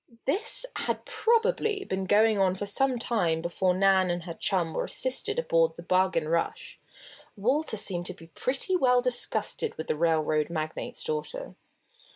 This had probably been going on for some time before Nan and her chum were assisted aboard the Bargain Rush. Walter seemed to be pretty well disgusted with the railroad magnate's daughter.